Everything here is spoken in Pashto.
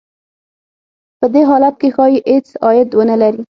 په دې حالت کې ښايي هېڅ عاید ونه لري